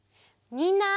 みんな。